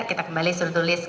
kita kembali suruh tulis